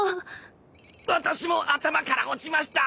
私も頭から落ちました。